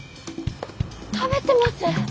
食べてます。